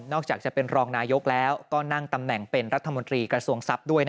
จากจะเป็นรองนายกแล้วก็นั่งตำแหน่งเป็นรัฐมนตรีกระทรวงทรัพย์ด้วย